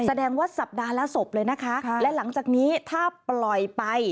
แสดงว่าสัปดาห์ละศพเลยนะคะและหลังจากนี้ถ้าปล่อยไป